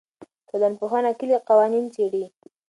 ټولنپوهنه کلي قوانین څېړي.